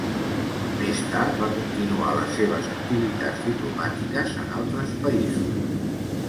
Més tard va continuar les seves activitats diplomàtiques en altres països.